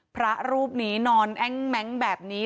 พระรูปนี้นอนแอ้งแม้งแบบนี้